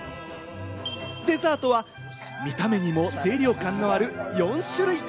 デザートは見た目にも清涼感のある４種類。